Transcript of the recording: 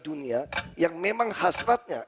dunia yang memang hasratnya